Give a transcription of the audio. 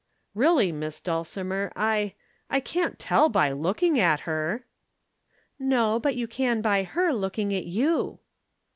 "Really, Miss Dulcimer, I I can't tell by looking at her!" "No, but you can by her looking at you."